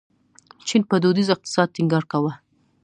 چین په دودیز اقتصاد ټینګار کاوه.